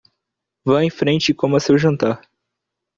Vá em frente e coma seu jantar.